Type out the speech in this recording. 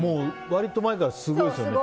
割と前からすごいですよね。